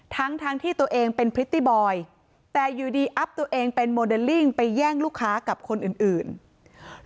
ทั้งทั้งที่ตัวเองเป็นพริตตี้บอยแต่อยู่ดีอัพตัวเองเป็นโมเดลลิ่งไปแย่งลูกค้ากับคนอื่น